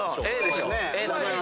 Ａでしょ。